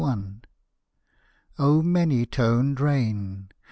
I. O many toned rain!